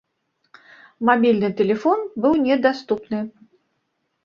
Мабільны тэлефон быў недаступны.